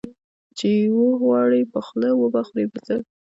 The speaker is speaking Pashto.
ـ چې وغواړې په خوله وبه خورې په څه.